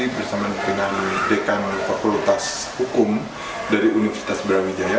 bersama pendidikan fakultas hukum dari universitas brawijaya